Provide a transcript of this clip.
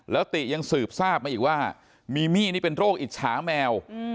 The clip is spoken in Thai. แล้วติยังสืบทราบมาอีกว่ามีมี่นี่เป็นโรคอิจฉาแมว